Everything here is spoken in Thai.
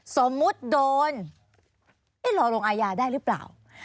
สมมุติโดนรอลงอาญาได้หรือเปล่า